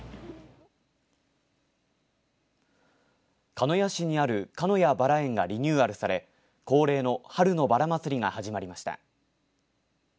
鹿屋市にあるかのやばら園がリニューアルされ恒例の春のばら祭りが始まりました。